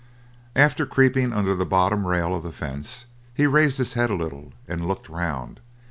After creeping under the bottom rail of the fence, he raised his head a little, and looked round.